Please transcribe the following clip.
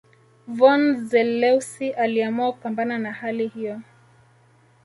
Von Zelewski aliamua kupambana na hali hiyo